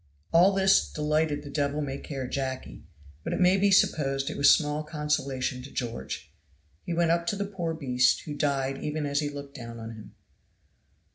All this delighted the devil may care Jacky, but it may be supposed it was small consolation to George. He went up to the poor beast, who died even as he looked down on him.